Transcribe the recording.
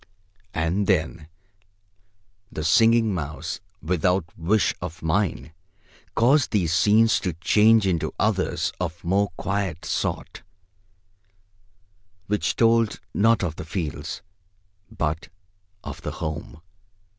And then the Singing Mouse, without wish of mine, caused these scenes to change into others of more quiet sort, which told not of the fields, but of the home.